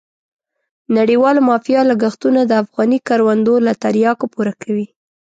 نړیواله مافیا لګښتونه د افغاني کروندو له تریاکو پوره کوي.